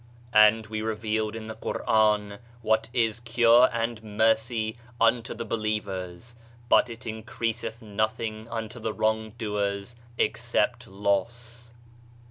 "And we revealed in the Quran what is cure and mercy unto the be lievers, but it increaseth nothing unto the wrong doers except loss."